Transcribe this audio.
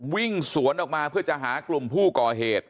วิ่งสวนออกมาเพื่อจะหากลุ่มผู้ก่อเหตุ